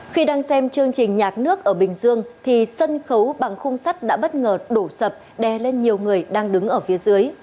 khi đang xem chương trình nhạc nước ở bình dương thì sân khấu bằng khung sắt đã bất ngờ đổ sập đè lên nhiều người đang đứng ở phía dưới